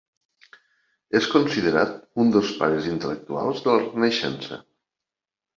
És considerat un dels pares intel·lectuals de la Renaixença.